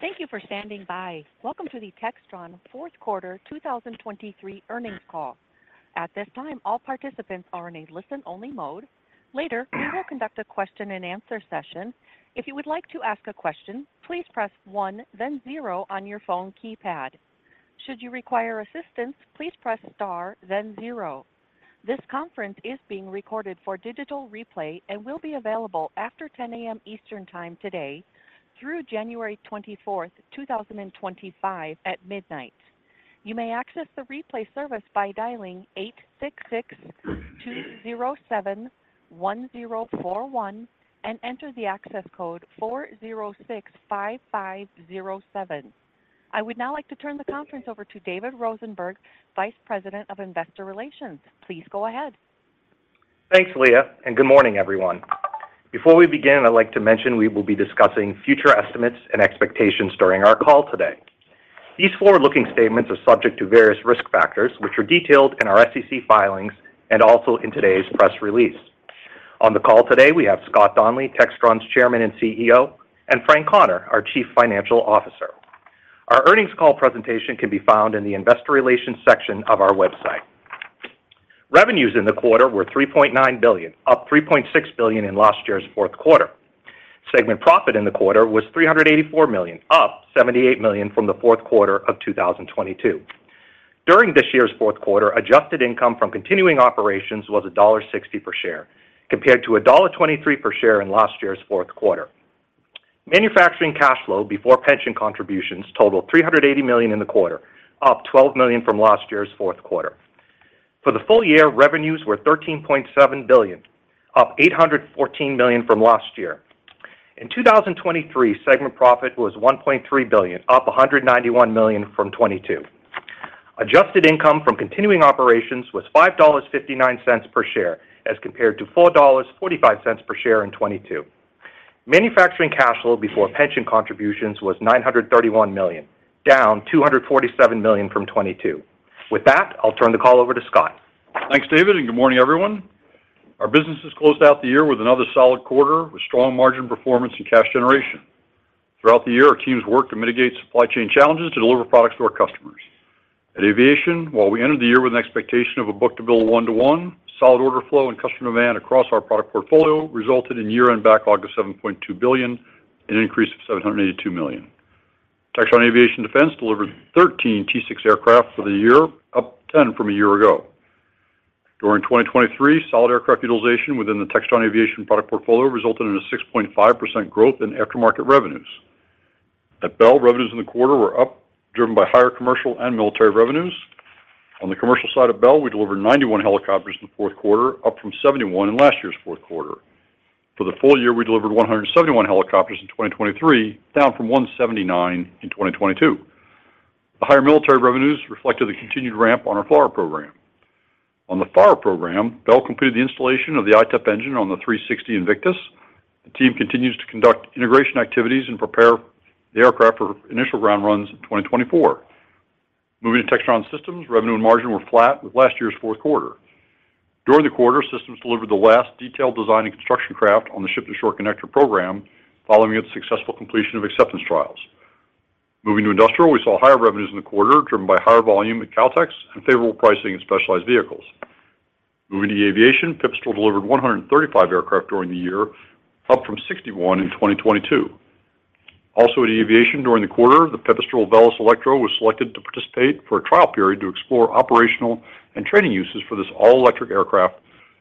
Thank you for standing by. Welcome to the Textron Fourth Quarter 2023 earnings call. At this time, all participants are in a listen-only mode. Later, we will conduct a question-and-answer session. If you would like to ask a question, please press 1, then 0 on your phone keypad. Should you require assistance, please press star then 0. This conference is being recorded for digital replay and will be available after 10 A.M. Eastern Time today through January 24, 2025, at midnight. You may access the replay service by dialing 866-207-1041 and enter the access code 4065507. I would now like to turn the conference over to David Rosenberg, Vice President of Investor Relations. Please go ahead. Thanks, Aaliyah, and good morning, everyone. Before we begin, I'd like to mention we will be discussing future estimates and expectations during our call today. These forward-looking statements are subject to various risk factors, which are detailed in our SEC filings and also in today's press release. On the call today, we have Scott Donnelly, Textron's Chairman and CEO, and Frank Connor, our Chief Financial Officer. Our earnings call presentation can be found in the Investor Relations section of our website. Revenues in the quarter were $3.9 billion, up $3.6 billion in last year's fourth quarter. Segment profit in the quarter was $384 million, up $78 million from the fourth quarter of 2022. During this year's fourth quarter, adjusted income from continuing operations was $1.60 per share, compared to $1.23 per share in last year's fourth quarter. Manufacturing cash flow before pension contributions totaled $380 million in the quarter, up $12 million from last year's fourth quarter. For the full year, revenues were $13.7 billion, up $814 million from last year. In 2023, segment profit was $1.3 billion, up $191 million from 2022. Adjusted income from continuing operations was $5.59 per share, as compared to $4.45 per share in 2022. Manufacturing cash flow before pension contributions was $931 million, down $247 million from 2022. With that, I'll turn the call over to Scott. Thanks, David, and good morning, everyone. Our businesses closed out the year with another solid quarter with strong margin performance and cash generation. Throughout the year, our teams worked to mitigate supply chain challenges to deliver products to our customers. At Aviation, while we entered the year with an expectation of a book-to-bill one-to-one, solid order flow and customer demand across our product portfolio resulted in year-end backlog of $7.2 billion, an increase of $782 million. Textron Aviation Defense delivered 13 T-6 aircraft for the year, up 10 from a year ago. During 2023, solid aircraft utilization within the Textron Aviation product portfolio resulted in a 6.5% growth in aftermarket revenues. At Bell, revenues in the quarter were up, driven by higher commercial and military revenues. On the commercial side of Bell, we delivered 91 helicopters in the fourth quarter, up from 71 in last year's fourth quarter. For the full year, we delivered 171 helicopters in 2023, down from 179 in 2022. The higher military revenues reflected the continued ramp on our FLRAA program. On the FLRAA program, Bell completed the installation of the ITEP engine on the 360 Invictus. The team continues to conduct integration activities and prepare the aircraft for initial ground runs in 2024. Moving to Textron Systems, revenue and margin were flat with last year's fourth quarter. During the quarter, Systems delivered the last detailed design and construction craft on the Ship-to-Shore Connector program, following its successful completion of acceptance trials. Moving to Industrial, we saw higher revenues in the quarter, driven by higher volume at Kautex and favorable pricing in specialized vehicles. Moving to Aviation, Pipistrel delivered 135 aircraft during the year, up from 61 in 2022. Also at Aviation, during the quarter, the Pipistrel Velis Electro was selected to participate for a trial period to explore operational and training uses for this all-electric aircraft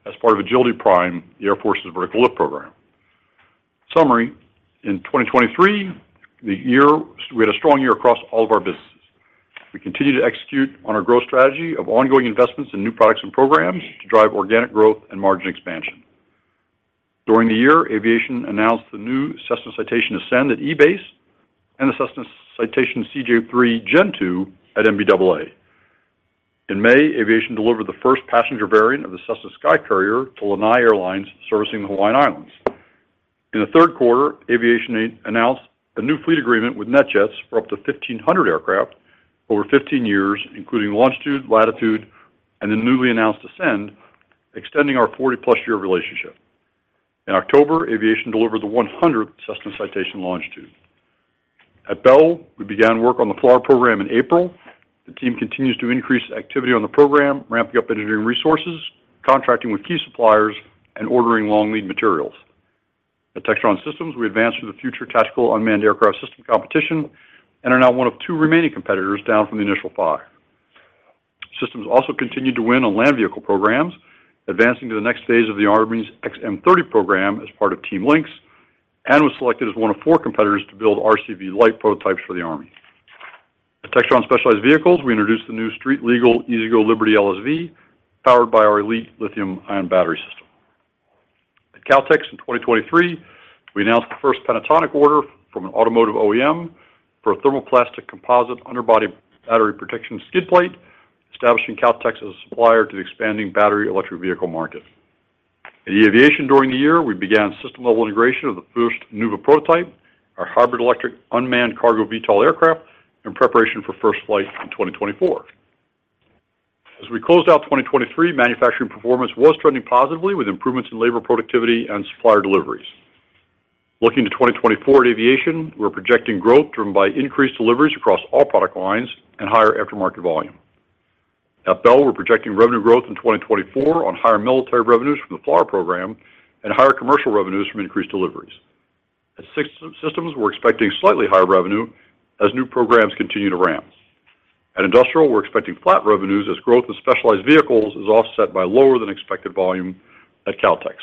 as part of Agility Prime, the Air Force's vertical lift program. Summary: in 2023, the year—we had a strong year across all of our businesses. We continued to execute on our growth strategy of ongoing investments in new products and programs to drive organic growth and margin expansion. During the year, Aviation announced the new Cessna Citation Ascend at EBACE and the Cessna Citation CJ3 Gen2 at NBAA. In May, Aviation delivered the first passenger variant of the Cessna SkyCourier to Lanai Air, servicing the Hawaiian Islands. In the third quarter, Aviation announced a new fleet agreement with NetJets for up to 1,500 aircraft over 15 years, including Longitude, Latitude, and the newly announced Ascend, extending our 40-plus year relationship. In October, Aviation delivered the 100th Cessna Citation Longitude. At Bell, we began work on the FLRAA program in April. The team continues to increase activity on the program, ramping up engineering resources, contracting with key suppliers, and ordering long-lead materials. At Textron Systems, we advanced to the Future Tactical Unmanned Aircraft System competition and are now one of 2 remaining competitors, down from the initial 5. Systems also continued to win on land vehicle programs, advancing to the next phase of the Army's XM30 program as part of Team Lynx, and was selected as one of four competitors to build RCV-Light prototypes for the Army. At Textron Specialized Vehicles, we introduced the new street-legal E-Z-GO Liberty LSV, powered by our ELiTE lithium-ion battery system. At Kautex in 2023, we announced the first Pentatonic order from an automotive OEM for a thermoplastic composite underbody battery protection skid plate, establishing Kautex as a supplier to the expanding battery electric vehicle market. At Aviation, during the year, we began system-level integration of the first Nuuva prototype, our hybrid electric unmanned cargo VTOL aircraft, in preparation for first flight in 2024....As we closed out 2023, manufacturing performance was trending positively, with improvements in labor productivity and supplier deliveries. Looking to 2024 at Aviation, we're projecting growth driven by increased deliveries across all product lines and higher aftermarket volume. At Bell, we're projecting revenue growth in 2024 on higher military revenues from the FLRAA program and higher commercial revenues from increased deliveries. At Textron Systems, we're expecting slightly higher revenue as new programs continue to ramp. At Industrial, we're expecting flat revenues as growth in specialized vehicles is offset by lower than expected volume at Kautex.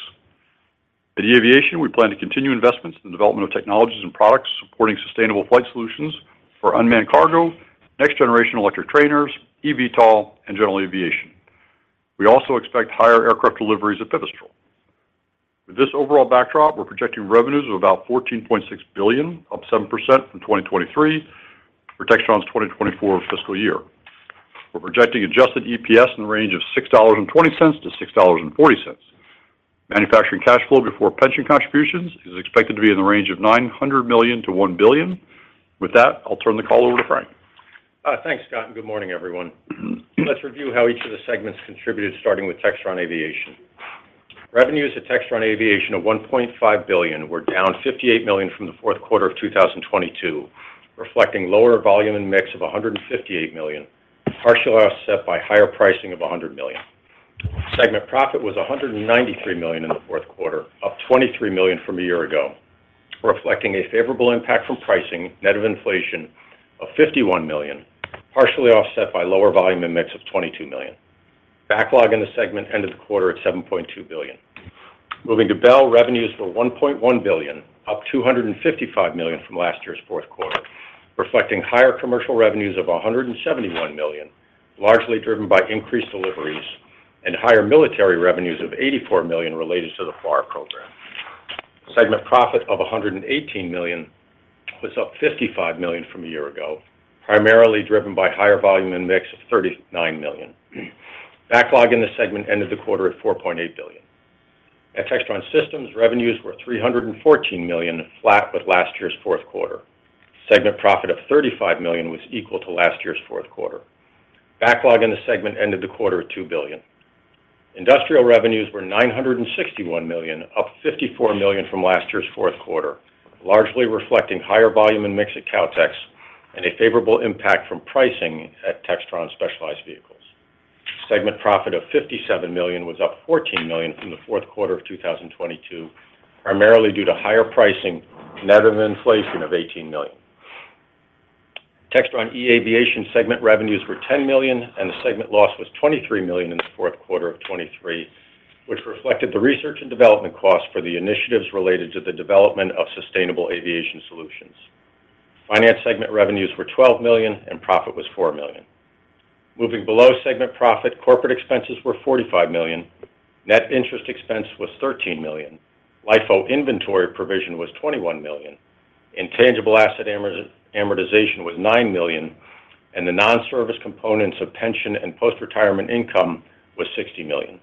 At Textron eAviation, we plan to continue investments in the development of technologies and products supporting sustainable flight solutions for unmanned cargo, next-generation electric trainers, eVTOL, and general aviation. We also expect higher aircraft deliveries at Pipistrel. With this overall backdrop, we're projecting revenues of about $14.6 billion, up 7% from 2023 for Textron's 2024 fiscal year. We're projecting adjusted EPS in the range of $6.20-$6.40. Manufacturing cash flow before pension contributions is expected to be in the range of $900 million-$1 billion. With that, I'll turn the call over to Frank. Thanks, Scott, and good morning, everyone. Let's review how each of the segments contributed, starting with Textron Aviation. Revenues at Textron Aviation of $1.5 billion were down $58 million from the fourth quarter of 2022, reflecting lower volume and mix of $158 million, partially offset by higher pricing of $100 million. Segment profit was $193 million in the fourth quarter, up $23 million from a year ago, reflecting a favorable impact from pricing, net of inflation, of $51 million, partially offset by lower volume and mix of $22 million. Backlog in the segment ended the quarter at $7.2 billion. Moving to Bell, revenues were $1.1 billion, up $255 million from last year's fourth quarter, reflecting higher commercial revenues of $171 million, largely driven by increased deliveries and higher military revenues of $84 million related to the FLRAA program. Segment profit of $118 million was up $55 million from a year ago, primarily driven by higher volume and mix of $39 million. Backlog in this segment ended the quarter at $4.8 billion. At Textron Systems, revenues were $314 million, flat with last year's fourth quarter. Segment profit of $35 million was equal to last year's fourth quarter. Backlog in the segment ended the quarter at $2 billion. Industrial revenues were $961 million, up $54 million from last year's fourth quarter, largely reflecting higher volume and mix at Kautex and a favorable impact from pricing at Textron Specialized Vehicles. Segment profit of $57 million was up $14 million from the fourth quarter of 2022, primarily due to higher pricing net of inflation of $18 million. Textron eAviation segment revenues were $10 million, and the segment loss was $23 million in the fourth quarter of 2023, which reflected the research and development costs for the initiatives related to the development of sustainable aviation solutions. Finance segment revenues were $12 million, and profit was $4 million. Moving below segment profit, corporate expenses were $45 million. Net interest expense was $13 million. LIFO inventory provision was $21 million. Intangible asset amortization was $9 million, and the non-service components of pension and post-retirement income was $60 million.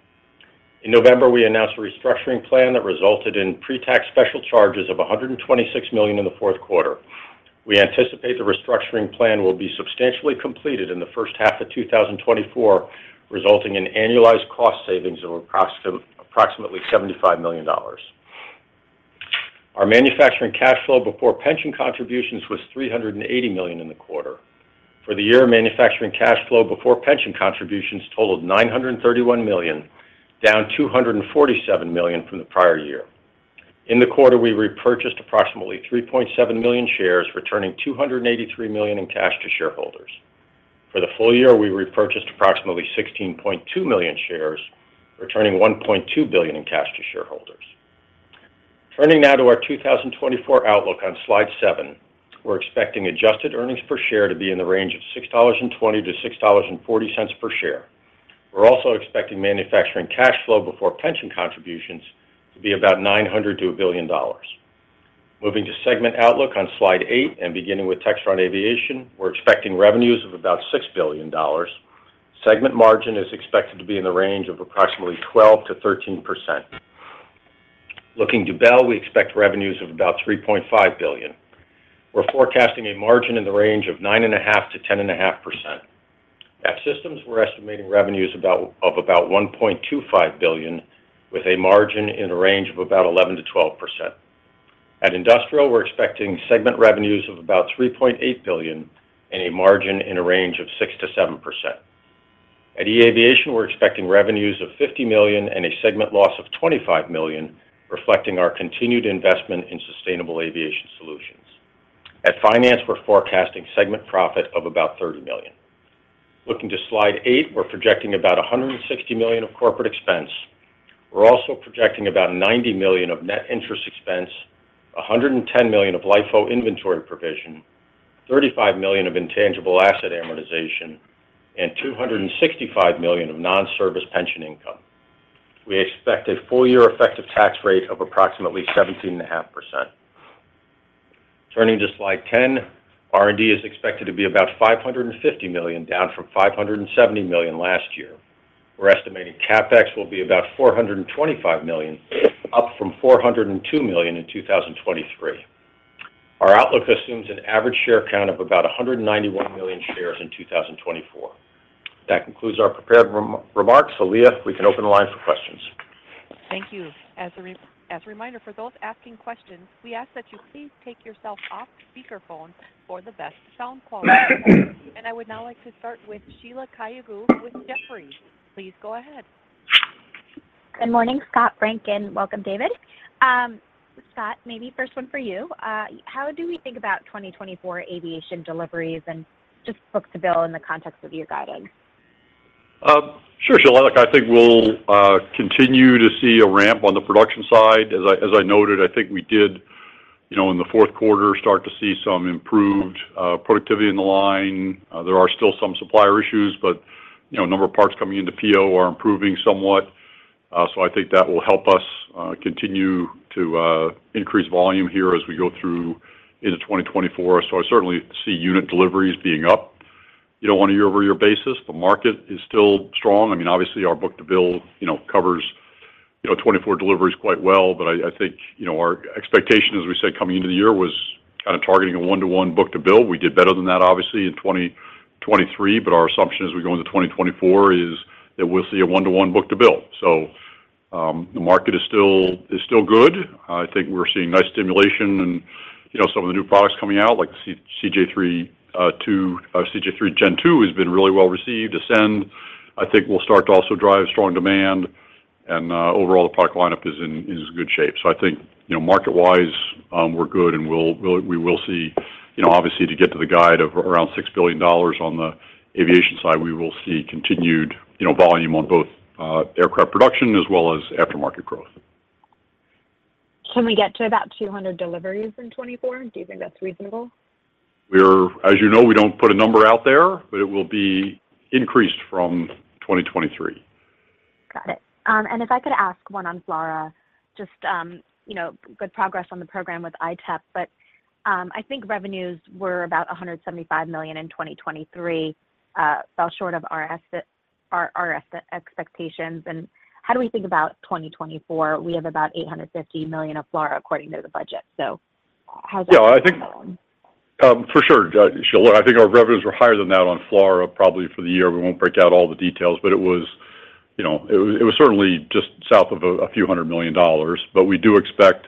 In November, we announced a restructuring plan that resulted in pre-tax special charges of $126 million in the fourth quarter. We anticipate the restructuring plan will be substantially completed in the first half of 2024, resulting in annualized cost savings of approximately $75 million. Our manufacturing cash flow before pension contributions was $380 million in the quarter. For the year, manufacturing cash flow before pension contributions totaled $931 million, down $247 million from the prior year. In the quarter, we repurchased approximately 3.7 million shares, returning $283 million in cash to shareholders. For the full year, we repurchased approximately 16.2 million shares, returning $1.2 billion in cash to shareholders. Turning now to our 2024 outlook on Slide 7, we're expecting adjusted earnings per share to be in the range of $6.20-$6.40 per share. We're also expecting manufacturing cash flow before pension contributions to be about $900 million-$1 billion. Moving to segment outlook on Slide 8, and beginning with Textron Aviation, we're expecting revenues of about $6 billion. Segment margin is expected to be in the range of approximately 12%-13%. Looking to Bell, we expect revenues of about $3.5 billion. We're forecasting a margin in the range of 9.5%-10.5%. At Systems, we're estimating revenues of about $1.25 billion, with a margin in a range of about 11%-12%. At Industrial, we're expecting segment revenues of about $3.8 billion and a margin in a range of 6%-7%. At eAviation, we're expecting revenues of $50 million and a segment loss of $25 million, reflecting our continued investment in sustainable aviation solutions. At Finance, we're forecasting segment profit of about $30 million. Looking to Slide 8, we're projecting about $160 million of corporate expense. We're also projecting about $90 million of net interest expense, $110 million of LIFO inventory provision, $35 million of intangible asset amortization, and $265 million of non-service pension income. We expect a full-year effective tax rate of approximately 17.5%. Turning to Slide 10, R&D is expected to be about $550 million, down from $570 million last year. We're estimating CapEx will be about $425 million, up from $402 million in 2023. ...Our outlook assumes an average share count of about 191 million shares in 2024. That concludes our prepared remarks. Aaliyah, we can open the line for questions. Thank you. As a reminder, for those asking questions, we ask that you please take yourself off speakerphone for the best sound quality. I would now like to start with Sheila Kahyaoglu with Jefferies. Please go ahead. Good morning, Scott, Frank, and welcome, David. Scott, maybe first one for you. How do we think about 2024 Aviation deliveries and just book-to-bill in the context of your guidance? Sure, Sheila. Look, I think we'll continue to see a ramp on the production side. As I, as I noted, I think we did, you know, in the fourth quarter, start to see some improved productivity in the line. There are still some supplier issues, but, you know, a number of parts coming into PO are improving somewhat. So I think that will help us continue to increase volume here as we go through into 2024. So I certainly see unit deliveries being up, you know, on a year-over-year basis. The market is still strong. I mean, obviously, our book-to-bill, you know, covers, you know, 2024 deliveries quite well. But I, I think, you know, our expectation, as we said, coming into the year, was kind of targeting a one-to-one book-to-bill. We did better than that, obviously, in 2023, but our assumption as we go into 2024 is that we'll see a 1-to-1 book-to-bill. So, the market is still good. I think we're seeing nice stimulation and, you know, some of the new products coming out, like the Citation CJ3 Gen2, has been really well received. Ascend, I think, will start to also drive strong demand, and overall, the product lineup is in good shape. So I think, you know, market-wise, we're good, and we will see. You know, obviously, to get to the guide of around $6 billion on the Aviation side, we will see continued, you know, volume on both aircraft production as well as aftermarket growth. Can we get to about 200 deliveries in 2024? Do you think that's reasonable? We're, as you know, we don't put a number out there, but it will be increased from 2023. Got it. And if I could ask one on FLRAA. Just, you know, good progress on the program with ITEP, but I think revenues were about $175 million in 2023, fell short of our expectations. And how do we think about 2024? We have about $850 million of FLRAA according to the budget. So how's that? Yeah, I think, for sure, Sheila, I think our revenues were higher than that on FLRAA, probably for the year. We won't break out all the details, but it was, you know, it was certainly just south of a few hundred million dollars. But we do expect,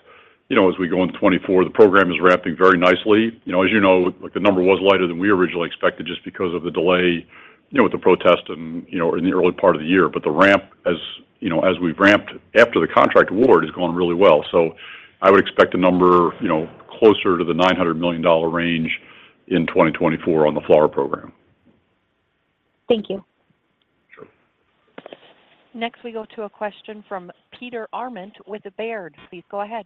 you know, as we go into 2024, the program is ramping very nicely. You know, as you know, like, the number was lighter than we originally expected just because of the delay, you know, with the protest and, you know, in the early part of the year. But the ramp, as, you know, as we've ramped after the contract award, is going really well. So I would expect a number, you know, closer to the $900 million range in 2024 on the FLRAA program. Thank you. Sure. Next, we go to a question from Peter Arment with Baird. Please go ahead.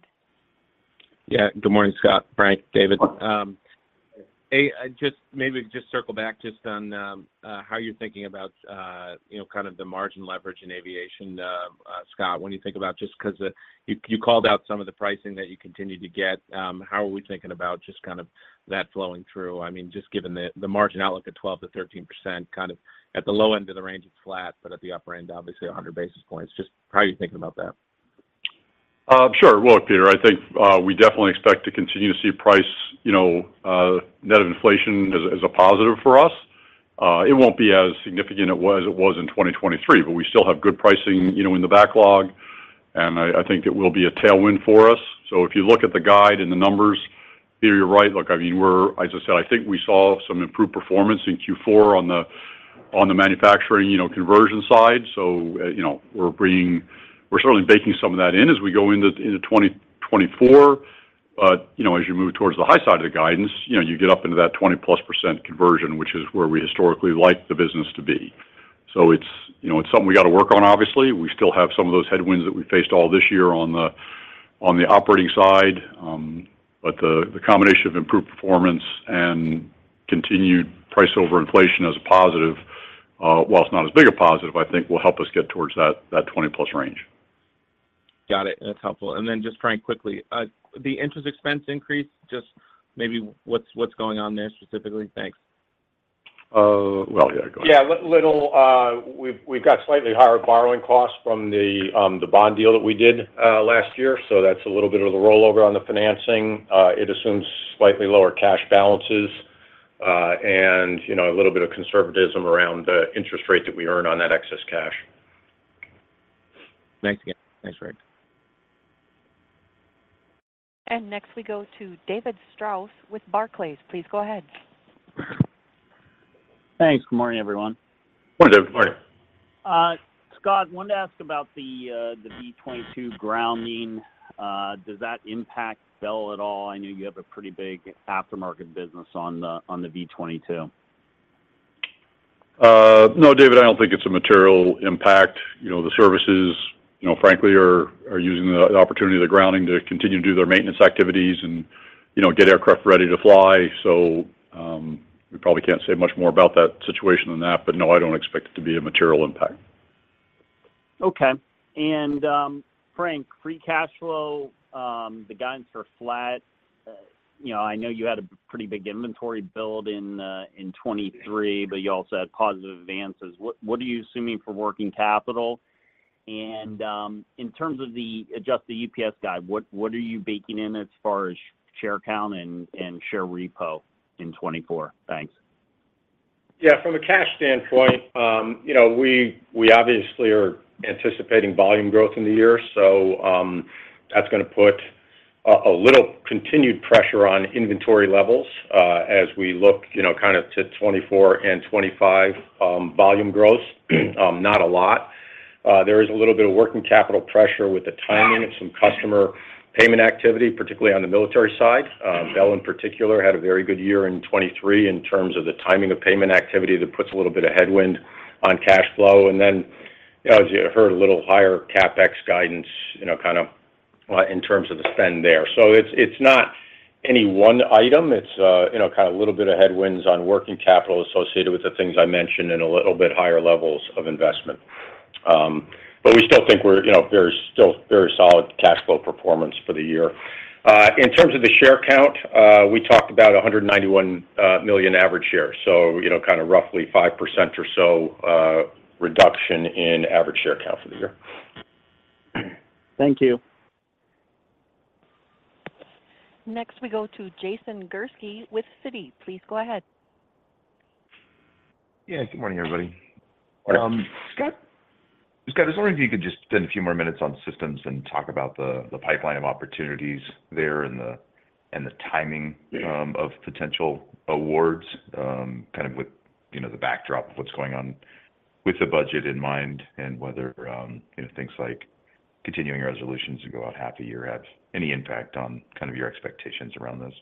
Yeah. Good morning, Scott, Frank, David. Hi. Just maybe just circle back just on how you're thinking about, you know, kind of the margin leverage in Aviation, Scott. When you think about just—'cause you called out some of the pricing that you continued to get, how are we thinking about just kind of that flowing through? I mean, just given the margin outlook at 12%-13%, kind of at the low end of the range, it's flat, but at the upper end, obviously 100 basis points. Just how are you thinking about that? Well, look, Peter, I think we definitely expect to continue to see price, you know, net of inflation as, as a positive for us. It won't be as significant it was, as it was in 2023, but we still have good pricing, you know, in the backlog, and I, I think it will be a tailwind for us. So if you look at the guide and the numbers, Peter, you're right. Look, I mean, we're as I said, I think we saw some improved performance in Q4 on the, on the manufacturing, you know, conversion side. So, you know, we're bringing we're certainly baking some of that in as we go into, into 2024. You know, as you move towards the high side of the guidance, you know, you get up into that 20%+ conversion, which is where we historically like the business to be. So it's, you know, it's something we've got to work on, obviously. We still have some of those headwinds that we faced all this year on the operating side. But the combination of improved performance and continued price over inflation as a positive, while it's not as big a positive, I think will help us get towards that 20%+ range. Got it. That's helpful. And then just Frank, quickly, the interest expense increase, just maybe what's going on there specifically? Thanks. Well, yeah, go ahead. Yeah, little, we've got slightly higher borrowing costs from the bond deal that we did last year, so that's a little bit of the rollover on the financing. It assumes slightly lower cash balances, and, you know, a little bit of conservatism around the interest rate that we earn on that excess cash. Thanks again. Thanks, Frank. Next, we go to David Strauss with Barclays. Please go ahead. Thanks. Good morning, everyone. Good morning, David. Good morning. Scott, wanted to ask about the V-22 grounding. Does that impact Bell at all? I know you have a pretty big aftermarket business on the V-22. No, David, I don't think it's a material impact. You know, the services, you know, frankly, are using the opportunity of the grounding to continue to do their maintenance activities and, you know, get aircraft ready to fly. So, we probably can't say much more about that situation than that, but no, I don't expect it to be a material impact. Okay. And, Frank, free cash flow, the guidance for flat, you know, I know you had a pretty big inventory build in 2023, but you also had positive advances. What are you assuming for working capital? And, in terms of the adjusted EPS guide, what are you baking in as far as share count and share repo in 2024? Thanks. Yeah, from a cash standpoint, you know, we obviously are anticipating volume growth in the year. So, that's gonna put a little continued pressure on inventory levels, as we look, you know, kind of to 2024 and 2025, volume growth. Not a lot. There is a little bit of working capital pressure with the timing of some customer payment activity, particularly on the military side. Bell, in particular, had a very good year in 2023 in terms of the timing of payment activity. That puts a little bit of headwind on cash flow, and then, as you heard, a little higher CapEx guidance, you know, kind of, in terms of the spend there. So it's not any one item. It's, you know, kind of a little bit of headwinds on working capital associated with the things I mentioned and a little bit higher levels of investment. But we still think we're, you know, very solid cash flow performance for the year. In terms of the share count, we talked about 191 million average shares. So, you know, kind of roughly 5% or so, reduction in average share count for the year. Thank you. Next, we go to Jason Gursky with Citi. Please go ahead. Yeah. Good morning, everybody. Morning. Scott- Scott, I was wondering if you could just spend a few more minutes on systems and talk about the pipeline of opportunities there and the timing? Yeah... of potential awards, kind of with, you know, the backdrop of what's going on with the budget in mind, and whether, you know, things like continuing resolutions to go out half a year have any impact on kind of your expectations around this?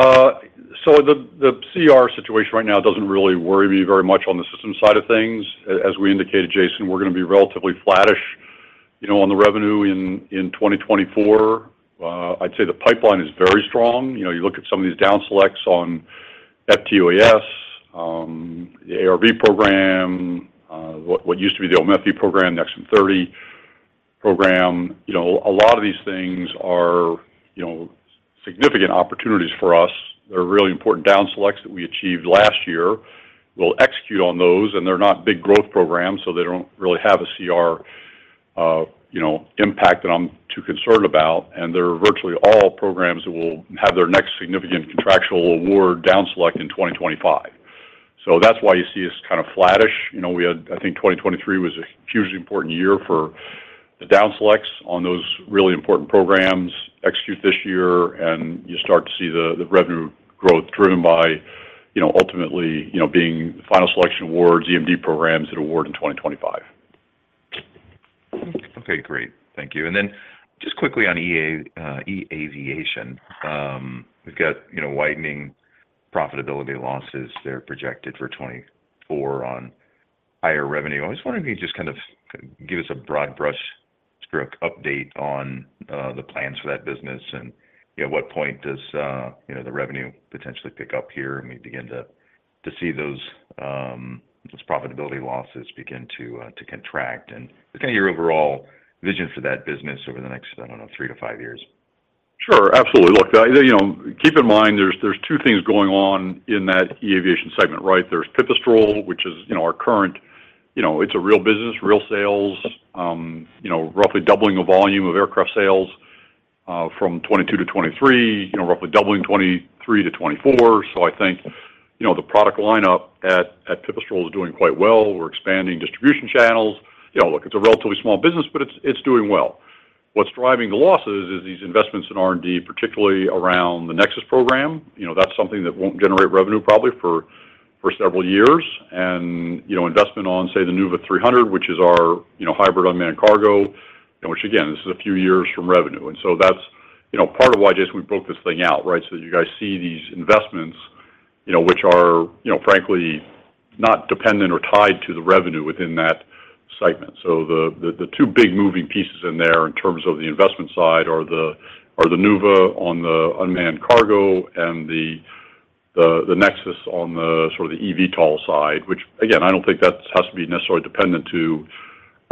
So the CR situation right now doesn't really worry me very much on the system side of things. As we indicated, Jason, we're going to be relatively flattish, you know, on the revenue in 2024. I'd say the pipeline is very strong. You know, you look at some of these down selects on FTUAS, the ARV program, what used to be the OMFV program, XM30 program. You know, a lot of these things are, you know, significant opportunities for us. They're really important down selects that we achieved last year. We'll execute on those, and they're not big growth programs, so they don't really have a CR, you know, impact that I'm too concerned about, and they're virtually all programs that will have their next significant contractual award down select in 2025. So that's why you see us kind of flattish. You know, we had—I think 2023 was a hugely important year for the down selects on those really important programs. Execute this year, and you start to see the, the revenue growth driven by, you know, ultimately, you know, being the final selection awards, EMD programs that award in 2025. Okay, great. Thank you. And then just quickly on eAviation. We've got, you know, widening profitability losses that are projected for 2024 on higher revenue. I was wondering if you could just kind of give us a broad brushstroke update on, the plans for that business, and at what point does, you know, the revenue potentially pick up here, and we begin to, to see those, those profitability losses begin to, to contract? And just kind of your overall vision for that business over the next, I don't know, three to five years. Sure. Absolutely. Look, you know, keep in mind, there's two things going on in that eAviation segment, right? There's Pipistrel, which is, you know, our current. You know, it's a real business, real sales, you know, roughly doubling the volume of aircraft sales from 2022 to 2023, you know, roughly doubling 2023 to 2024. So I think, you know, the product lineup at Pipistrel is doing quite well. We're expanding distribution channels. You know, look, it's a relatively small business, but it's doing well. What's driving the losses is these investments in R&D, particularly around the Nexus program. You know, that's something that won't generate revenue, probably for several years. And, you know, investment on, say, the Nuuva V300, which is our, you know, hybrid unmanned cargo, and which, again, this is a few years from revenue. And so that's, you know, part of why, Jason, we broke this thing out, right? So you guys see these investments, you know, which are, you know, frankly, not dependent or tied to the revenue within that segment. So the two big moving pieces in there in terms of the investment side are the Nuuva on the unmanned cargo and the Nexus on the sort of the eVTOL side, which, again, I don't think that has to be necessarily dependent to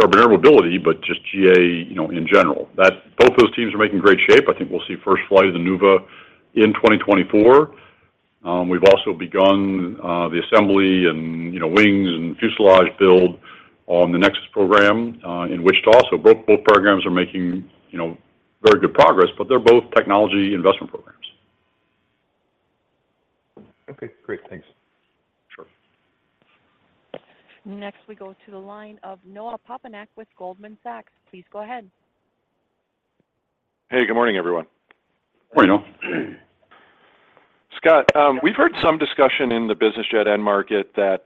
urban air mobility, but just GA, you know, in general. That—both those teams are in great shape. I think we'll see first flight of the Nuuva in 2024. We've also begun the assembly and, you know, wings and fuselage build on the Nexus program, in which to also both, both programs are making, you know, very good progress, but they're both technology investment programs. Okay, great. Thanks. Sure. Next, we go to the line of Noah Poponak with Goldman Sachs. Please go ahead. Hey, good morning, everyone. Good morning, Noah. Scott, we've heard some discussion in the business jet end market that,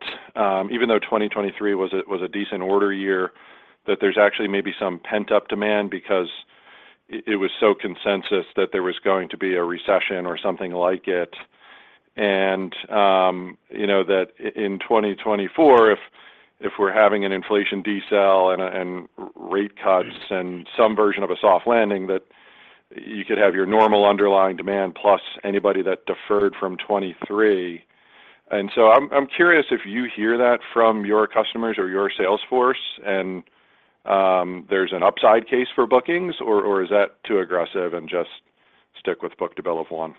even though 2023 was a, was a decent order year, that there's actually maybe some pent-up demand because it was so consensus that there was going to be a recession or something like it. And, you know, that in 2024, if, if we're having an inflation decel and, and rate cuts and some version of a soft landing, that you could have your normal underlying demand plus anybody that deferred from 2023. And so I'm, I'm curious if you hear that from your customers or your sales force, and, there's an upside case for bookings, or, or is that too aggressive and just stick with book-to-bill of 1?...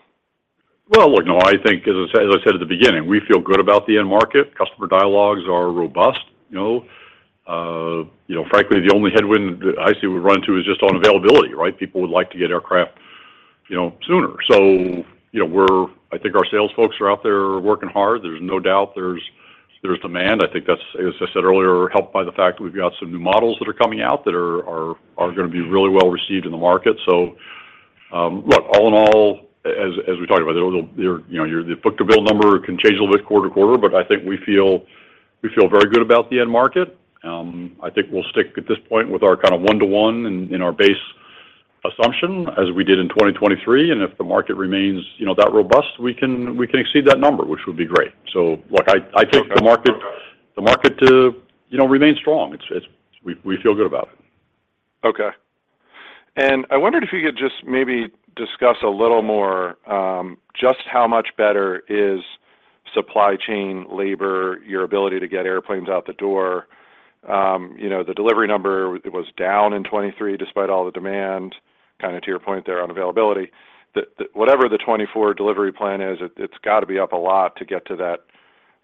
Well, look, no, I think as I said, as I said at the beginning, we feel good about the end market. Customer dialogues are robust, you know. You know, frankly, the only headwind that I see we run into is just on availability, right? People would like to get aircraft, you know, sooner. So, you know, we're. I think our sales folks are out there working hard. There's no doubt there's, there's demand. I think that's, as I said earlier, helped by the fact that we've got some new models that are coming out that are gonna be really well received in the market. So, look, all in all, as we talked about, you know, the book-to-bill number can change a little bit quarter to quarter, but I think we feel, we feel very good about the end market. I think we'll stick at this point with our kind of 1:1 in our base assumption, as we did in 2023, and if the market remains, you know, that robust, we can exceed that number, which would be great. So look, I think the market, you know, remains strong. It's. We feel good about it. Okay. And I wondered if you could just maybe discuss a little more, just how much better is supply chain, labor, your ability to get airplanes out the door? You know, the delivery number was down in 2023, despite all the demand, kind of to your point there on availability, that whatever the 2024 delivery plan is, it's got to be up a lot to get to that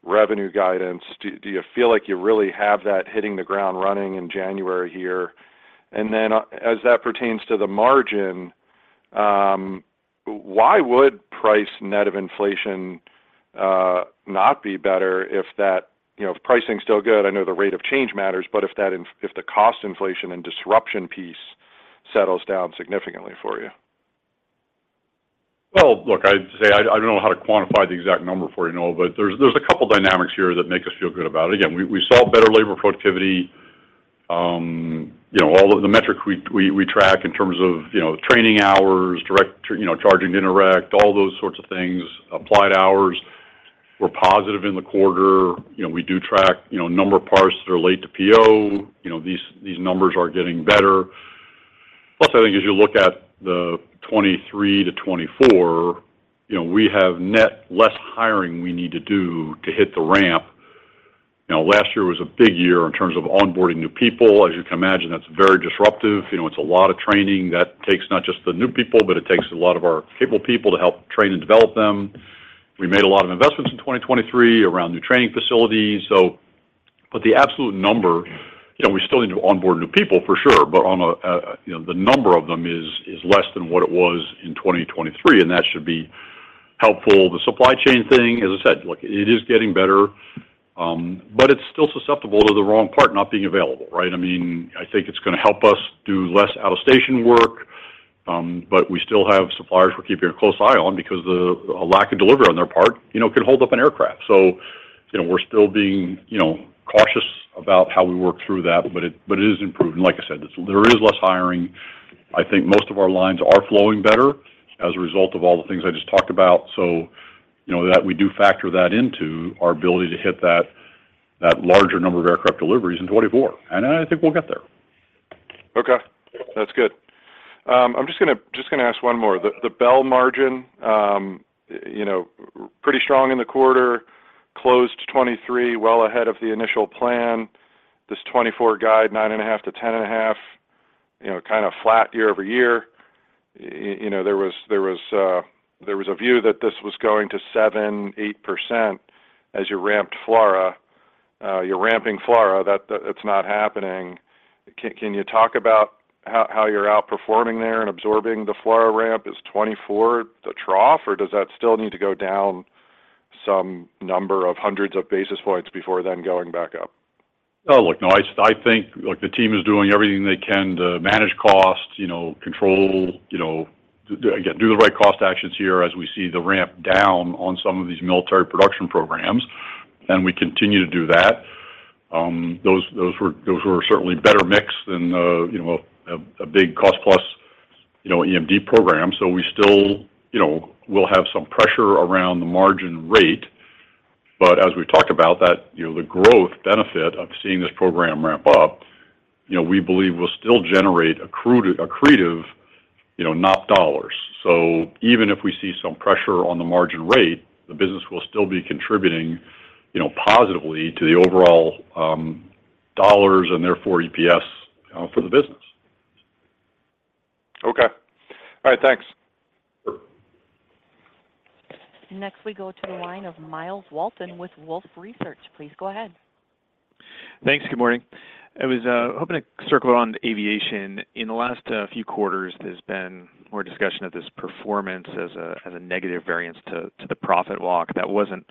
revenue guidance. Do you feel like you really have that hitting the ground running in January here? And then, as that pertains to the margin, why would price net of inflation not be better if that... You know, if pricing is still good, I know the rate of change matters, but if the cost inflation and disruption piece settles down significantly for you? Well, look, I'd say I don't know how to quantify the exact number for you know, but there's a couple dynamics here that make us feel good about it. Again, we saw better labor productivity, you know, all of the metrics we track in terms of, you know, training hours, direct, you know, charging to indirect, all those sorts of things, applied hours. We're positive in the quarter, you know, we do track, you know, number of parts that are late to PO. You know, these numbers are getting better. Plus, I think as you look at the 2023 to 2024, you know, we have net less hiring we need to do to hit the ramp. You know, last year was a big year in terms of onboarding new people. As you can imagine, that's very disruptive. You know, it's a lot of training. That takes not just the new people, but it takes a lot of our capable people to help train and develop them. We made a lot of investments in 2023 around new training facilities. So, but the absolute number, you know, we still need to onboard new people for sure, but on a, you know, the number of them is less than what it was in 2023, and that should be helpful. The supply chain thing, as I said, look, it is getting better, but it's still susceptible to the wrong part not being available, right? I mean, I think it's gonna help us do less out-of-station work, but we still have suppliers we're keeping a close eye on because a lack of delivery on their part, you know, could hold up an aircraft. So, you know, we're still being, you know, cautious about how we work through that, but it, but it is improving. Like I said, there is less hiring. I think most of our lines are flowing better as a result of all the things I just talked about. So, you know, that we do factor that into our ability to hit that, that larger number of aircraft deliveries in 2024, and I think we'll get there. Okay, that's good. I'm just gonna, just gonna ask one more. The Bell margin, you know, pretty strong in the quarter, closed 2023, well ahead of the initial plan. This 2024 guide, 9.5%-10.5%, you know, kind of flat year-over-year. You know, there was a view that this was going to 7-8% as you ramped FLRAA. You're ramping FLRAA, that—it's not happening. Can you talk about how you're outperforming there and absorbing the FLRAA ramp? Is 2024 the trough, or does that still need to go down some number of hundreds of basis points before then going back up? I think the team is doing everything they can to manage costs, you know, control, you know, again, do the right cost actions here as we see the ramp down on some of these military production programs, and we continue to do that. Those were certainly better mix than, you know, a big cost plus, you know, EMD program. So we still, you know, we'll have some pressure around the margin rate, but as we talked about that, you know, the growth benefit of seeing this program ramp up, you know, we believe will still generate accretive, you know, not dollars. So even if we see some pressure on the margin rate, the business will still be contributing, you know, positively to the overall dollars and therefore, EPS for the business. Okay. All right, thanks. Sure. Next, we go to the line of Myles Walton with Wolfe Research. Please go ahead. Thanks. Good morning. I was hoping to circle around Aviation. In the last few quarters, there's been more discussion of this performance as a negative variance to the profit walk. That wasn't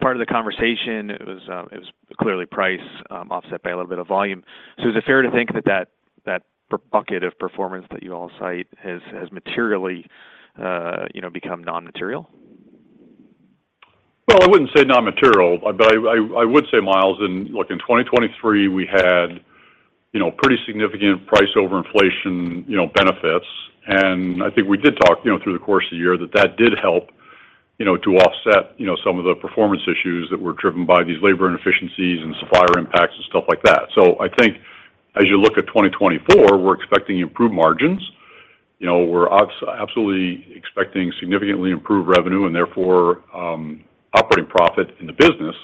part of the conversation. It was clearly price offset by a little bit of volume. So is it fair to think that bucket of performance that you all cite has materially, you know, become non-material? Well, I wouldn't say non-material, but I would say, Myles, and look, in 2023, we had, you know, pretty significant price overinflation, you know, benefits. And I think we did talk, you know, through the course of the year, that that did help, you know, to offset, you know, some of the performance issues that were driven by these labor inefficiencies and supplier impacts and stuff like that. So I think as you look at 2024, we're expecting improved margins. You know, we're absolutely expecting significantly improved revenue, and therefore, operating profit in the business....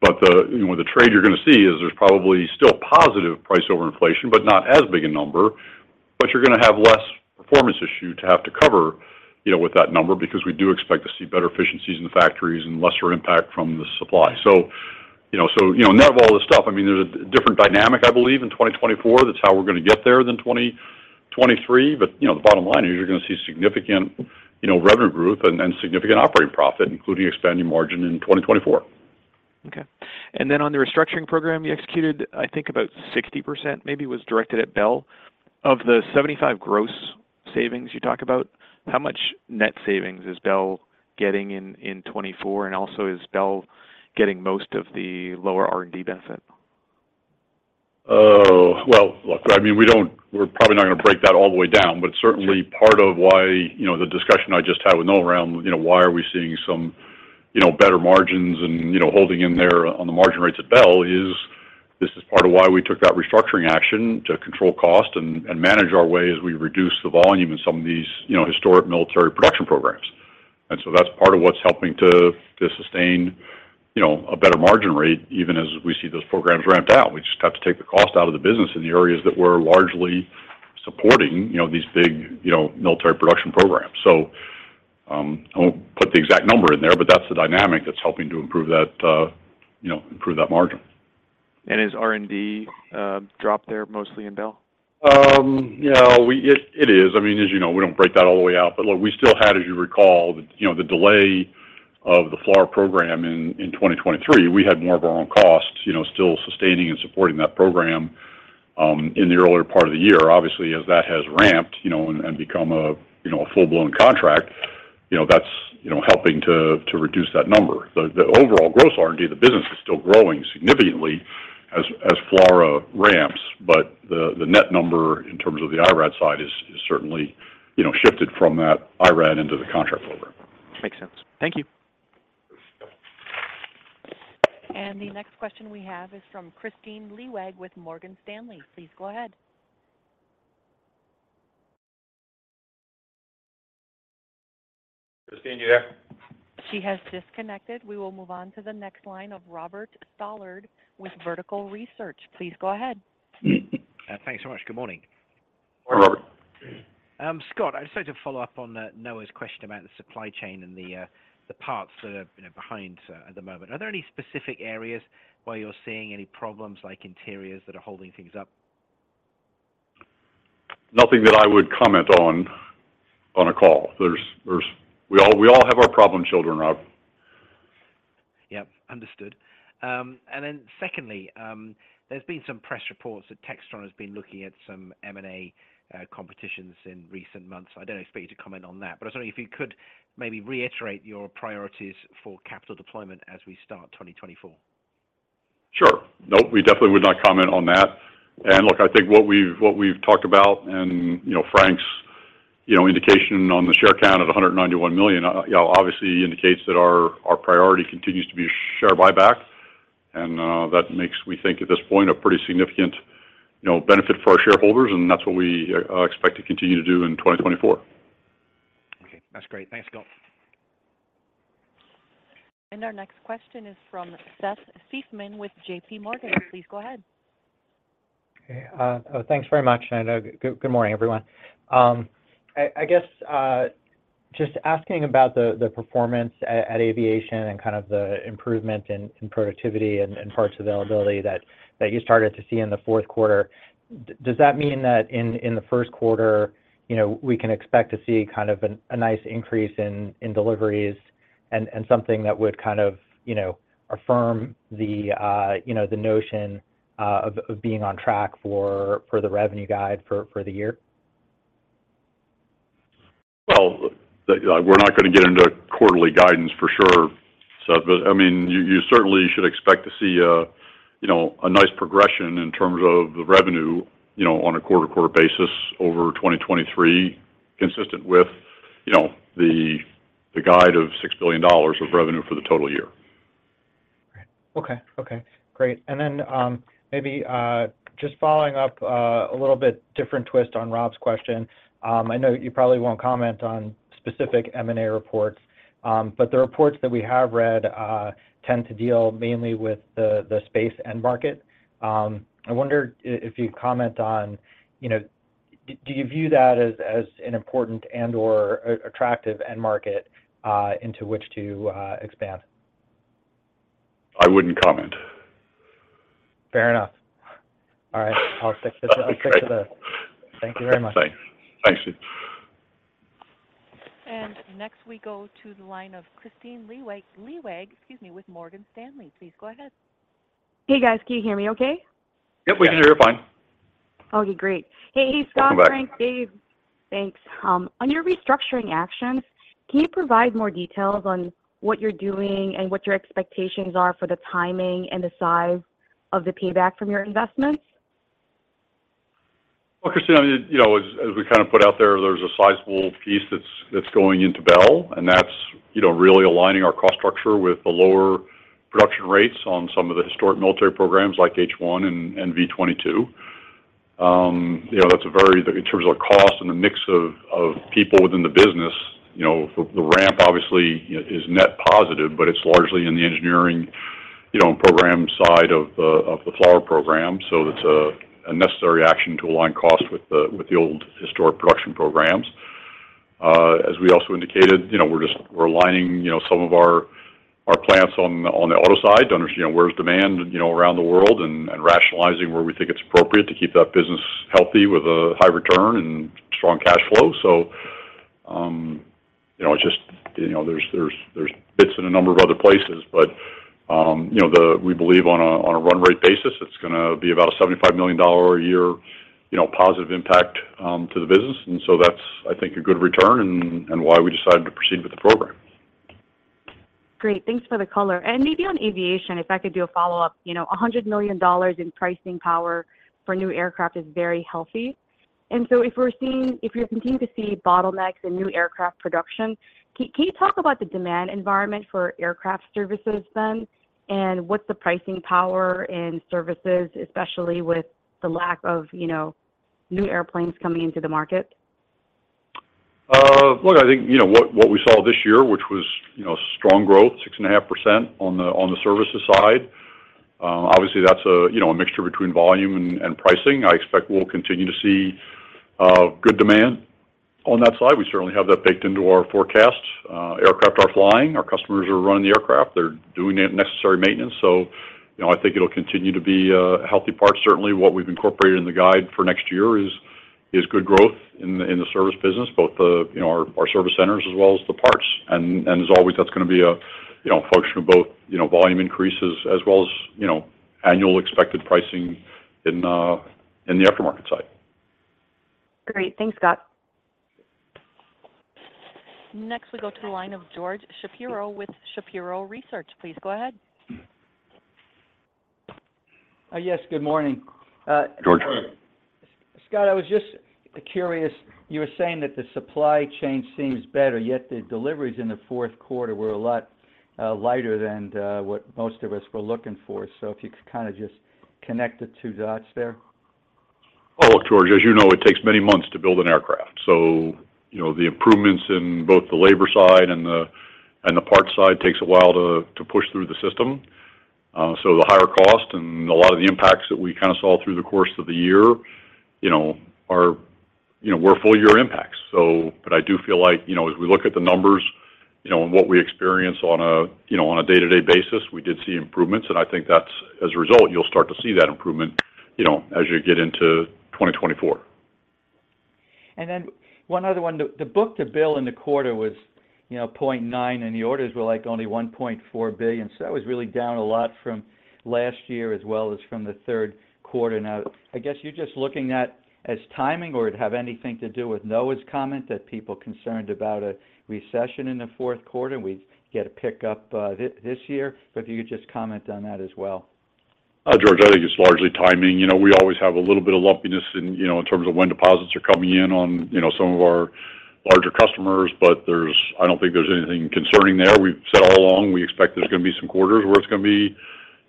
But the, you know, the trade you're gonna see is there's probably still positive price over inflation, but not as big a number, but you're gonna have less performance issue to have to cover, you know, with that number, because we do expect to see better efficiencies in the factories and lesser impact from the supply. So, you know, so, you know, net of all this stuff, I mean, there's a different dynamic, I believe, in 2024. That's how we're gonna get there than 2023. But, you know, the bottom line is you're gonna see significant, you know, revenue growth and, and significant operating profit, including expanding margin in 2024. Okay. And then on the restructuring program you executed, I think about 60% maybe was directed at Bell. Of the $75 gross savings you talk about, how much net savings is Bell getting in 2024? And also, is Bell getting most of the lower R&D benefit? Oh, well, look, I mean, we don't—we're probably not gonna break that all the way down, but certainly part of why, you know, the discussion I just had with Noah around, you know, why are we seeing some, you know, better margins and, you know, holding in there on the margin rates at Bell, is this is part of why we took that restructuring action to control cost and, and manage our way as we reduce the volume in some of these, you know, historic military production programs. And so that's part of what's helping to, to sustain, you know, a better margin rate, even as we see those programs ramp out. We just have to take the cost out of the business in the areas that we're largely supporting, you know, these big, you know, military production programs. I won't put the exact number in there, but that's the dynamic that's helping to improve that, you know, improve that margin. Is R&D drop there mostly in Bell? Yeah, it is. I mean, as you know, we don't break that all the way out, but look, we still had, as you recall, you know, the delay of the FLRAA program in 2023. We had more of our own costs, you know, still sustaining and supporting that program in the earlier part of the year. Obviously, as that has ramped, you know, and become a full-blown contract, you know, that's helping to reduce that number. The overall gross R&D, the business is still growing significantly as FLRAA ramps, but the net number in terms of the IRAD side is certainly shifted from that IRAD into the contract program. Makes sense. Thank you. The next question we have is from Kristine Liwag with Morgan Stanley. Please go ahead. Kristine, you there? She has disconnected. We will move on to the next line of Robert Stallard with Vertical Research. Please go ahead. Thanks so much. Good morning. Hi, Robert. Scott, I'd just like to follow up on Noah's question about the supply chain and the parts that are, you know, behind at the moment. Are there any specific areas where you're seeing any problems, like interiors, that are holding things up? Nothing that I would comment on, on a call. There's, we all have our problem children, Rob. Yeah, understood. And then secondly, there's been some press reports that Textron has been looking at some M&A acquisitions in recent months. I don't expect you to comment on that, but I was wondering if you could maybe reiterate your priorities for capital deployment as we start 2024. Sure. Nope, we definitely would not comment on that. Look, I think what we've talked about and, you know, Frank's indication on the share count at 191 million, you know, obviously indicates that our priority continues to be share buyback. That makes, we think at this point, a pretty significant, you know, benefit for our shareholders, and that's what we expect to continue to do in 2024. Okay. That's great. Thanks, Scott. Our next question is from Seth Seifman with J.P. Morgan. Please go ahead. Okay, thanks very much, and good morning, everyone. I guess just asking about the performance at Aviation and kind of the improvement in productivity and parts availability that you started to see in the fourth quarter. Does that mean that in the first quarter, you know, we can expect to see kind of a nice increase in deliveries and something that would kind of, you know, affirm the notion of being on track for the revenue guide for the year? Well, we're not gonna get into quarterly guidance for sure, Seth, but I mean, you, you certainly should expect to see a, you know, a nice progression in terms of the revenue, you know, on a quarter-to-quarter basis over 2023, consistent with, you know, the guide of $6 billion of revenue for the total year. Okay. Okay, great. And then, maybe, just following up, a little bit different twist on Rob's question. I know you probably won't comment on specific M&A reports, but the reports that we have read tend to deal mainly with the space end market. I wonder if you'd comment on, you know, do you view that as an important and/or attractive end market into which to expand? I wouldn't comment. Fair enough. All right. I'll stick to the- That's great. Thank you very much. Thanks. Thank you. Next, we go to the line of Kristine Liwag, Liwag, excuse me, with Morgan Stanley. Please go ahead. Hey, guys, can you hear me okay? Yep, we can hear you fine. Okay, great. Welcome back. Hey, Scott, Frank, Dave. Thanks. On your restructuring actions, can you provide more details on what you're doing and what your expectations are for the timing and the size of the payback from your investments? Well, Christine, I mean, you know, as we kind of put out there, there's a sizable piece that's going into Bell, and that's, you know, really aligning our cost structure with the lower production rates on some of the historic military programs like H-1 and V-22. You know, that's a very, in terms of cost and the mix of people within the business, you know, the ramp obviously is net positive, but it's largely in the engineering, you know, program side of the FLRAA program. So it's a necessary action to align costs with the old historic production programs. As we also indicated, you know, we're aligning, you know, some of our plants on the auto side to understand where's demand around the world, and rationalizing where we think it's appropriate to keep that business healthy with a high return and strong cash flow. So, you know, it's just, you know, there's bits in a number of other places, but, you know, we believe on a run rate basis, it's gonna be about a $75 million a year positive impact to the business. And so that's, I think, a good return and why we decided to proceed with the program. Great. Thanks for the color. And maybe on Aviation, if I could do a follow-up. You know, $100 million in pricing power for new aircraft is very healthy. And so if we're seeing if you're continuing to see bottlenecks in new aircraft production, can you talk about the demand environment for aircraft services then? And what's the pricing power in services, especially with the lack of, you know, new airplanes coming into the market? Look, I think you know what, what we saw this year, which was, you know, strong growth, 6.5% on the, on the services side, obviously, that's a, you know, a mixture between volume and, and pricing. I expect we'll continue to see, good demand on that side. We certainly have that baked into our forecast. Aircraft are flying, our customers are running the aircraft, they're doing the necessary maintenance. So, you know, I think it'll continue to be a healthy part. Certainly, what we've incorporated in the guide for next year is, is good growth in the, in the service business, both the, you know, our, our service centers as well as the parts. As always, that's gonna be a, you know, function of both, you know, volume increases as well as, you know, annual expected pricing in the aftermarket side. Great. Thanks, Scott. Next, we go to the line of George Shapiro with Shapiro Research. Please go ahead. Yes, good morning. George. Scott, I was just curious. You were saying that the supply chain seems better, yet the deliveries in the fourth quarter were a lot lighter than what most of us were looking for. So if you could kinda just connect the two dots there. Oh, look, George, as you know, it takes many months to build an aircraft. So you know, the improvements in both the labor side and the, and the parts side takes a while to, to push through the system. So the higher cost and a lot of the impacts that we kinda saw through the course of the year, you know, are, you know, were full year impacts. So but I do feel like, you know, as we look at the numbers, you know, and what we experience on a, you know, on a day-to-day basis, we did see improvements. And I think that's, as a result, you'll start to see that improvement, you know, as you get into 2024. Then one other one. The book-to-bill in the quarter was, you know, 0.9, and the orders were, like, only $1.4 billion. That was really down a lot from last year, as well as from the third quarter. Now, I guess you're just looking at as timing or have anything to do with Noah's comment that people concerned about a recession in the fourth quarter, and we'd get a pickup, this year? If you could just comment on that as well. George, I think it's largely timing. You know, we always have a little bit of lumpiness in, you know, in terms of when deposits are coming in on, you know, some of our larger customers, but there is. I don't think there's anything concerning there. We've said all along, we expect there's gonna be some quarters where it's gonna be,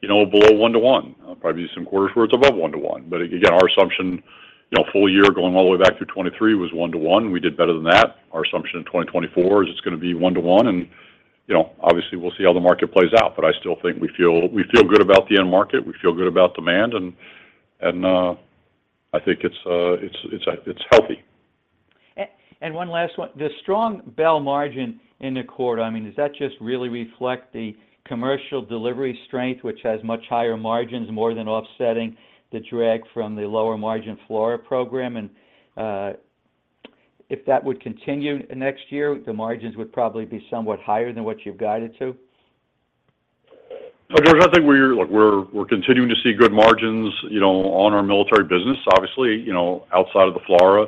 you know, below 1-to-1. Probably be some quarters where it's above 1-to-1. But again, our assumption, you know, full year, going all the way back to 2023 was 1-to-1. We did better than that. Our assumption in 2024 is it's gonna be 1-to-1. You know, obviously, we'll see how the market plays out, but I still think we feel good about the end market, we feel good about demand, and I think it's healthy. And one last one. The strong Bell margin in the quarter, I mean, does that just really reflect the commercial delivery strength, which has much higher margins, more than offsetting the drag from the lower margin FLRAA program? And, if that would continue next year, the margins would probably be somewhat higher than what you've guided to? So George, I think we're—look, we're continuing to see good margins, you know, on our military business. Obviously, you know, outside of the FLRAA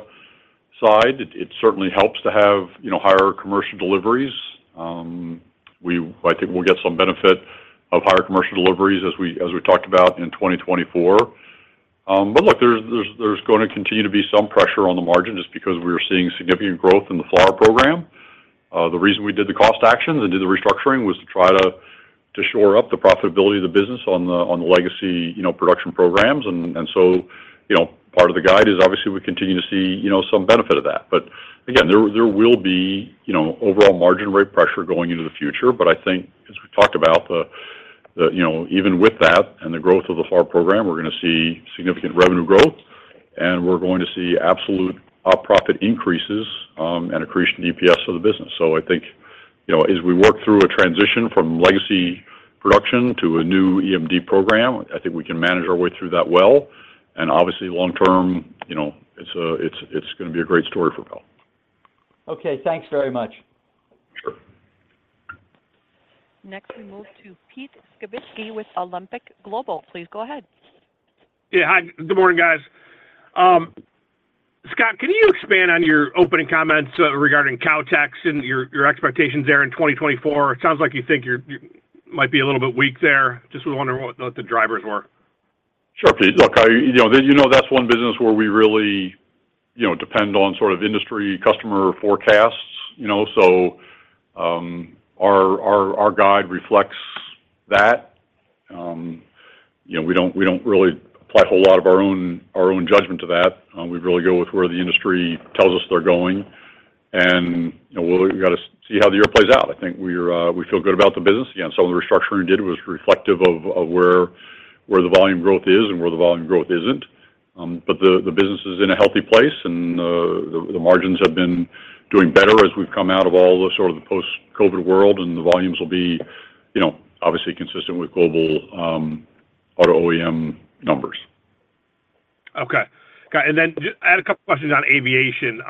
side, it certainly helps to have, you know, higher commercial deliveries. We—I think we'll get some benefit of higher commercial deliveries as we, as we talked about in 2024. But look, there's gonna continue to be some pressure on the margin, just because we're seeing significant growth in the FLRAA program. The reason we did the cost actions and did the restructuring was to try to shore up the profitability of the business on the, on the legacy, you know, production programs. And so, you know, part of the guide is obviously we continue to see, you know, some benefit of that. But again, there will be, you know, overall margin rate pressure going into the future. But I think as we talked about the, you know, even with that and the growth of the FLRAA program, we're gonna see significant revenue growth, and we're going to see absolute profit increases, and accretion EPS of the business. So I think, you know, as we work through a transition from legacy production to a new EMD program, I think we can manage our way through that well, and obviously, long term, you know, it's, it's gonna be a great story for Bell. Okay, thanks very much. Sure. Next, we move to Pete Skibitski with Alembic Global Advisors. Please go ahead. Yeah, hi. Good morning, guys. Scott, can you expand on your opening comments, regarding Kautex and your, your expectations there in 2024? It sounds like you think you're, you might be a little bit weak there. Just was wondering what the, the drivers were. Sure, Pete. Look, you know, then you know that's one business where we really, you know, depend on sort of industry customer forecasts, you know? So, our guide reflects that, you know, we don't really apply a whole lot of our own judgment to that. We really go with where the industry tells us they're going, and, you know, we'll we got to see how the year plays out. I think we feel good about the business. Again, some of the restructuring we did was reflective of where the volume growth is and where the volume growth isn't. But the business is in a healthy place, and the margins have been doing better as we've come out of all the sort of the post-COVID world, and the volumes will be, you know, obviously consistent with global auto OEM numbers. Okay. Got it. And then I had a couple questions on Aviation.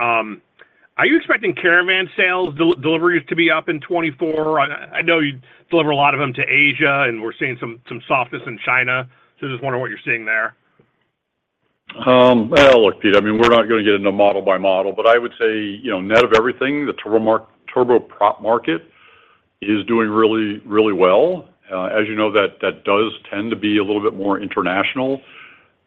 Are you expecting Caravan sales deliveries to be up in 2024? I know you deliver a lot of them to Asia, and we're seeing some softness in China. So just wondering what you're seeing there. Well, look, Pete, I mean, we're not going to get into model by model, but I would say, you know, net of everything, the turboprop market is doing really, really well. As you know, that, that does tend to be a little bit more international.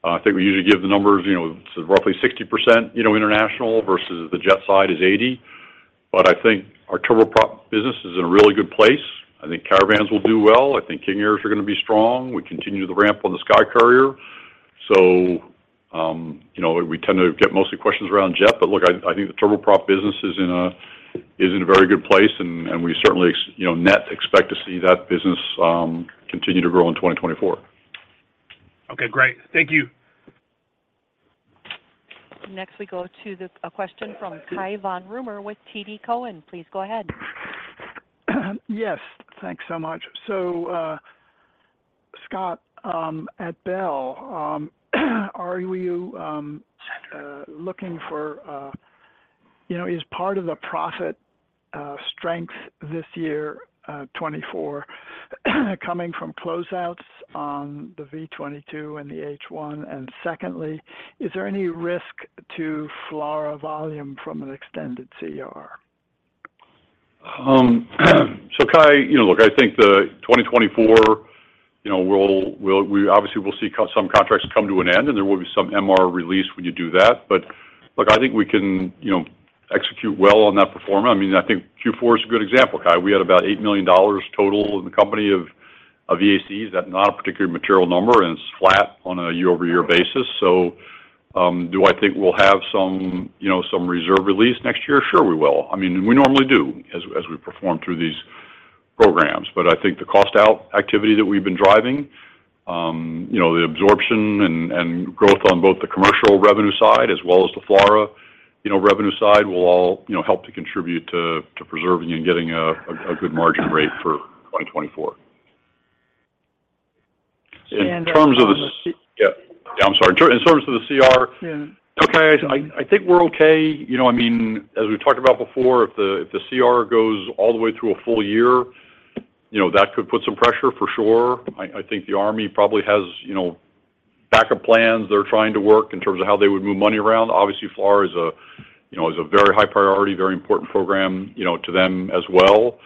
I think we usually give the numbers, you know, roughly 60%, you know, international versus the jet side is 80%. But I think our turboprop business is in a really good place. I think Caravans will do well. I think King Airs are going to be strong. We continue the ramp on the SkyCourier. So, you know, we tend to get mostly questions around jet, but look, I think the turboprop business is in a very good place, and we certainly expect to see that business continue to grow in 2024. Okay, great. Thank you. Next, we go to a question from Cai von Rumohr with TD Cowen. Please go ahead. Yes, thanks so much. So, Scott, at Bell, are you looking for... You know, is part of the profit strength this year, 2024, coming from closeouts on the V-22 and the H-1? And secondly, is there any risk to FLRAA volume from an extended CR? So, Cai, you know, look, I think the 2024, you know, we'll, we obviously will see some contracts come to an end, and there will be some MR release when you do that. But look, I think we can, you know, execute well on that performance. I mean, I think Q4 is a good example, Cai. We had about $8 million total in the company of EACs. That not a particularly material number, and it's flat on a year-over-year basis. So, do I think we'll have some, you know, some reserve release next year? Sure, we will. I mean, we normally do as we perform through these programs. But I think the cost out activity that we've been driving, you know, the absorption and growth on both the commercial revenue side as well as the FLRAA, you know, revenue side, will all, you know, help to contribute to preserving and getting a good margin rate for 2024. And, uh- In terms of the... Yeah. I'm sorry. In terms of the CR- Yeah. Okay, I think we're okay. You know, I mean, as we talked about before, if the CR goes all the way through a full year, you know, that could put some pressure for sure. I think the Army probably has, you know, backup plans they're trying to work in terms of how they would move money around. Obviously, FLRAA is a very high priority, very important program, you know, to them as well.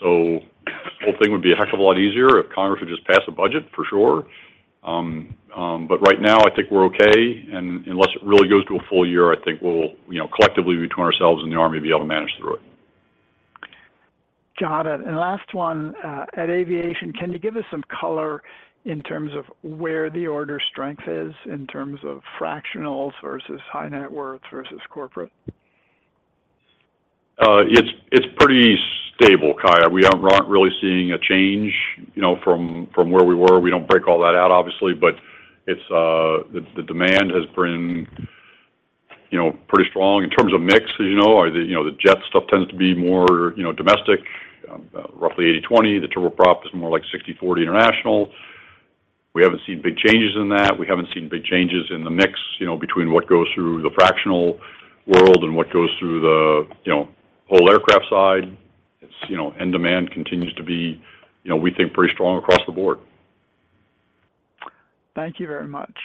So this whole thing would be a heck of a lot easier if Congress would just pass a budget, for sure. But right now, I think we're okay, and unless it really goes to a full year, I think we'll, you know, collectively, between ourselves and the Army, be able to manage through it. Got it. Last one, at Aviation, can you give us some color in terms of where the order strength is, in terms of fractionals versus high net worth versus corporate? It's pretty stable, Cai. We aren't really seeing a change, you know, from where we were. We don't break all that out, obviously, but it's... The demand has been, you know, pretty strong in terms of mix, as you know. You know, the jet stuff tends to be more, you know, domestic, roughly 80/20. The turboprop is more like 60/40 international. We haven't seen big changes in that. We haven't seen big changes in the mix, you know, between what goes through the fractional world and what goes through the, you know, whole aircraft side. It's, you know, and demand continues to be, you know, we think, pretty strong across the board. Thank you very much.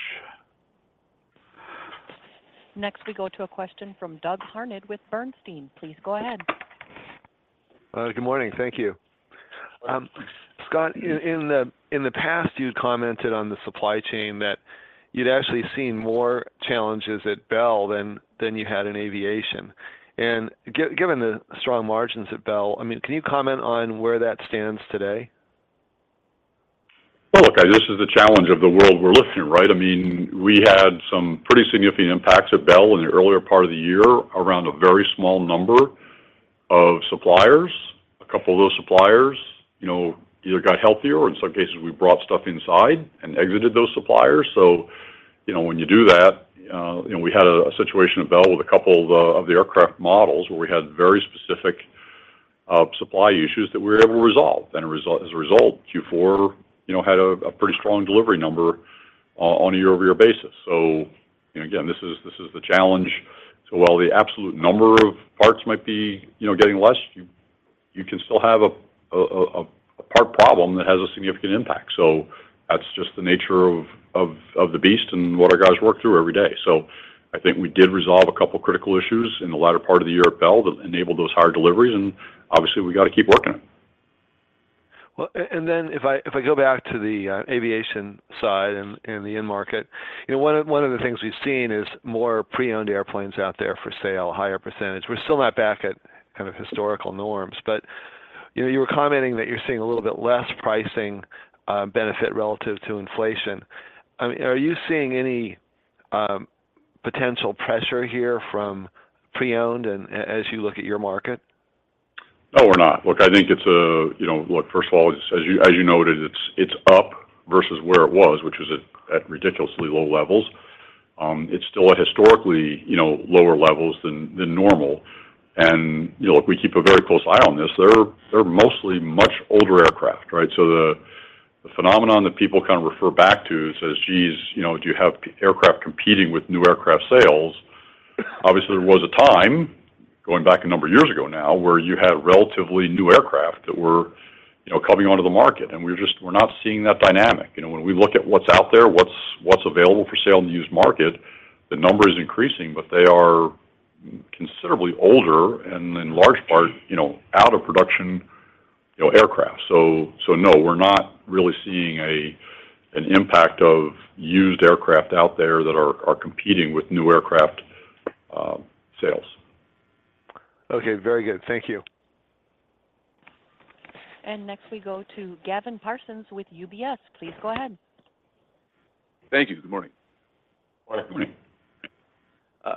Next, we go to a question from Doug Harned with Bernstein. Please go ahead. Good morning. Thank you. Scott, in the past, you'd commented on the supply chain that you'd actually seen more challenges at Bell than you had in Aviation. And given the strong margins at Bell, I mean, can you comment on where that stands today? Well, look, this is the challenge of the world we're living in, right? I mean, we had some pretty significant impacts at Bell in the earlier part of the year, around a very small number of suppliers. A couple of those suppliers, you know, either got healthier, or in some cases, we brought stuff inside and exited those suppliers. So, you know, when you do that, you know, we had a situation at Bell with a couple of the aircraft models, where we had very specific supply issues that we were able to resolve. As a result, Q4, you know, had a pretty strong delivery number on a year-over-year basis. So, you know, again, this is the challenge. So while the absolute number of parts might be, you know, getting less, you can still have a part problem that has a significant impact. So that's just the nature of the beast and what our guys work through every day. So I think we did resolve a couple critical issues in the latter part of the year at Bell that enabled those higher deliveries, and obviously, we got to keep working it. Well, and then if I go back to the Aviation side and the end market, you know, one of the things we've seen is more pre-owned airplanes out there for sale, a higher percentage. We're still not back at kind of historical norms, but... You know, you were commenting that you're seeing a little bit less pricing benefit relative to inflation. I mean, are you seeing any potential pressure here from pre-owned as you look at your market? No, we're not. Look, I think it's a. You know, look, first of all, as you, as you noted, it's, it's up versus where it was, which was at, at ridiculously low levels. It's still at historically, you know, lower levels than, than normal. You know, if we keep a very close eye on this, they're, they're mostly much older aircraft, right? So the, the phenomenon that people kind of refer back to is, as jeez, you know, do you have aircraft competing with new aircraft sales? Obviously, there was a time, going back a number of years ago now, where you had relatively new aircraft that were, you know, coming onto the market, and we're just, we're not seeing that dynamic. You know, when we look at what's out there, what's available for sale in the used market, the number is increasing, but they are considerably older and in large part, you know, out of production, you know, aircraft. So no, we're not really seeing an impact of used aircraft out there that are competing with new aircraft sales. Okay, very good. Thank you. Next, we go to Gavin Parsons with UBS. Please go ahead. Thank you. Good morning. Good morning.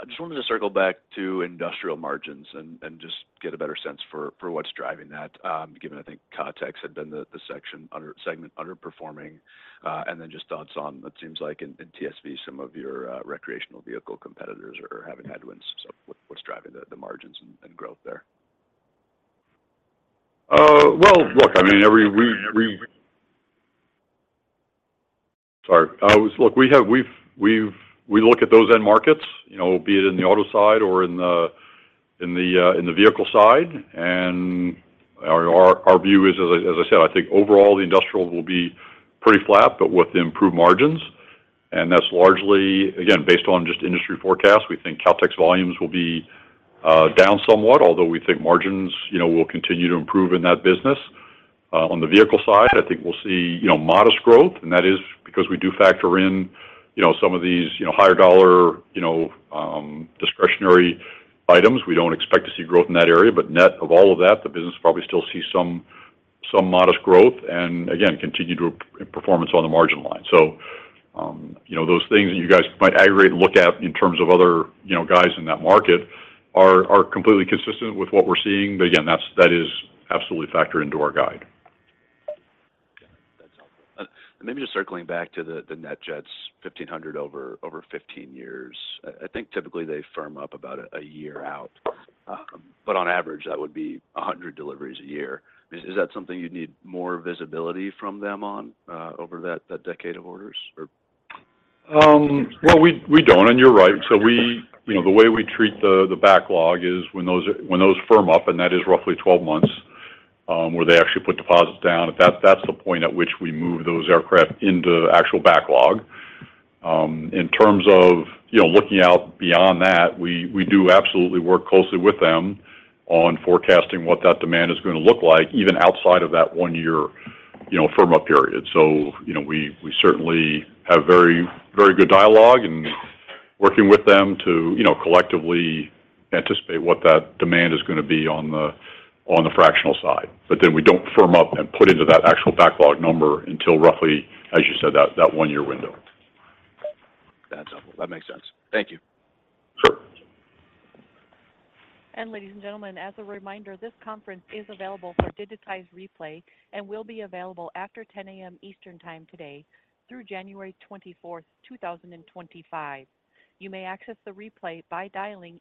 I just wanted to circle back to Industrial margins and just get a better sense for what's driving that, given I think Kautex had been the segment underperforming, and then just thoughts on what seems like in TSV some of your recreational vehicle competitors are having headwinds. So what's driving the margins and growth there? Well, look, I mean, we look at those end markets, you know, be it in the auto side or in the vehicle side. And our view is, as I said, I think overall, the Industrial will be pretty flat, but with improved margins, and that's largely, again, based on just industry forecasts. We think Kautex volumes will be down somewhat, although we think margins, you know, will continue to improve in that business. On the vehicle side, I think we'll see, you know, modest growth, and that is because we do factor in, you know, some of these, you know, higher dollar, you know, discretionary items. We don't expect to see growth in that area, but net of all of that, the business probably still see some, some modest growth and again, continue to improve performance on the margin line. So, you know, those things that you guys might aggregate and look at in terms of other, you know, guys in that market are completely consistent with what we're seeing. But again, that is absolutely factored into our guide. That's helpful. Maybe just circling back to the NetJets, 1,500 over 15 years. I think typically they firm up about a year out, but on average, that would be 100 deliveries a year. Is that something you'd need more visibility from them on over that decade of orders or? Well, we don't, and you're right. So we, you know, the way we treat the backlog is when those firm up, and that is roughly 12 months, where they actually put deposits down, at that—that's the point at which we move those aircraft into actual backlog. In terms of, you know, looking out beyond that, we do absolutely work closely with them on forecasting what that demand is going to look like, even outside of that one year, you know, firm up period. So, you know, we certainly have very, very good dialogue and working with them to, you know, collectively anticipate what that demand is gonna be on the, on the fractional side. But then we don't firm up and put into that actual backlog number until roughly, as you said, that one-year window. That's helpful. That makes sense. Thank you. Sure. Ladies and gentlemen, as a reminder, this conference is available for digitized replay and will be available after 10 A.M. Eastern time today through January 24, 2025. You may access the replay by dialing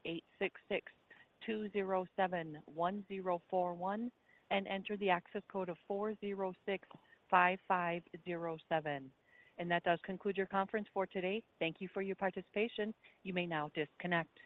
866-207-1041 and enter the access code of 4065507. That does conclude your conference for today. Thank you for your participation. You may now disconnect.